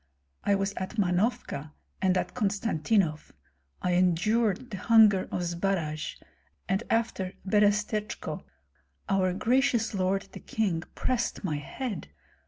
I was at Mahnovka and at Konstantinoff; I endured the hunger of Zbaraj, and after Berestechko our gracious lord the king pressed my head.